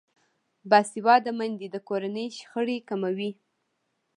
باسواده میندې د کورنۍ شخړې کموي.